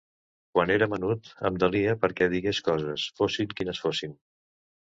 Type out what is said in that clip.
Quan era menut em delia perquè digués coses, fossin quines fossin.